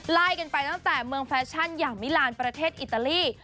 ไล่กันไปตั้งแต่เมืองแฟชั่นอย่างมิลานประเทศอิตาลี